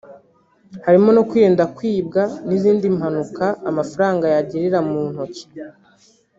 harimo no kwirinda kwibwa n’izindi mpanuka amafaranga yagirira mu ntoki